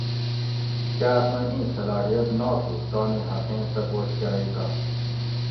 کاۤس مئی ایں صلاحیت ناتھو تانی حقیں تپوس کۤرئی تہ